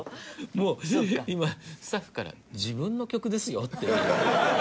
もう今スタッフから自分の曲ですよって。